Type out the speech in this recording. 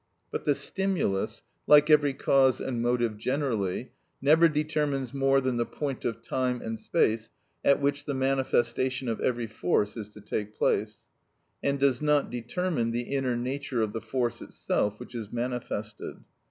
But the stimulus, like every cause and motive generally, never determines more than the point of time and space at which the manifestation of every force is to take place, and does not determine the inner nature of the force itself which is manifested.